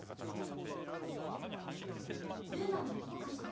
ルーナはどこかしら？